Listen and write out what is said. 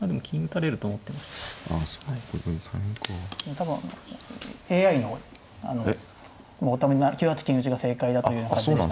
多分ＡＩの９八金打ちが正解だという感じでしたね。